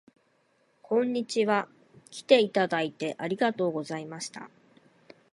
こんにちは。きていただいてありがとうございました